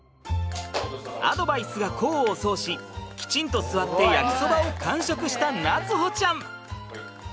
アドバイスが功を奏しきちんと座って焼きそばを完食した夏歩ちゃん。